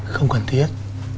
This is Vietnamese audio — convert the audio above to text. không cần thiết